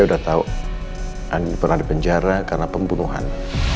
dia udah tahu andin pernah di penjara karena pembunuhan